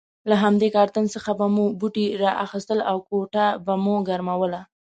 له همدې کارتن څخه به مو بوټي را اخیستل او کوټه به مو ګرموله.